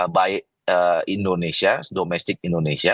baik indonesia domestik indonesia